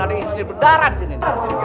wah makanya ada istri berdarah disini